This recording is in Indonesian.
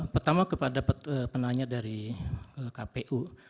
pertama kepada penanya dari kpu